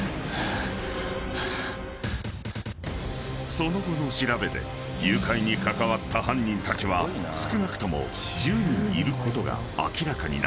［その後の調べで誘拐に関わった犯人たちは少なくとも１０人いることが明らかになった］